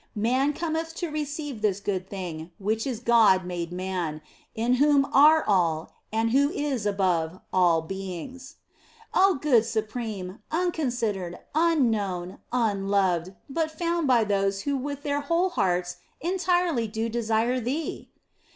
Man cometh to receive this good thing, which is God made Man, in whom are all, and who is above all beings. Oh, Good Supreme, unconsidered, unknown, unloved, but found by those who with their whole hearts entirely do desire thee!